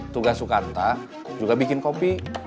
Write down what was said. tugas soekarno juga bikin kopi